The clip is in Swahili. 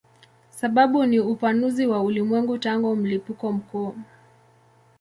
Sababu ni upanuzi wa ulimwengu tangu mlipuko mkuu.